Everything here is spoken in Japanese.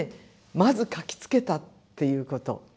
まず書きつけたっていうこと。